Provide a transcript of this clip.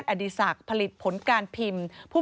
พบหน้าลูกแบบเป็นร่างไร้วิญญาณ